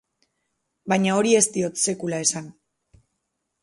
Baina hori ez diot sekula esan.